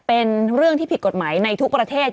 เป็นเรื่องที่ผิดกฎหมายในทุกประเทศ